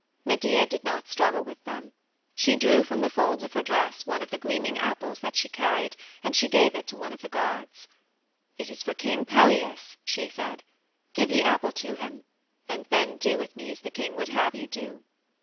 Medea did not struggle with them. She drew from the folds of her dress one of the gleaming apples that she carried and she gave it to one of the guards. "It is for King Pelias," she said. "Give the apple to him and then do with me as the king would have you do."